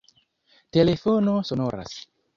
Telefono sonoras